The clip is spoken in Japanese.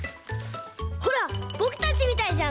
ほらぼくたちみたいじゃない？